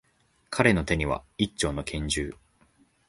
彼の手には、一丁の拳銃。